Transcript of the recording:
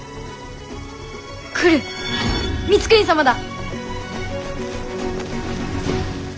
来る光圀様だ！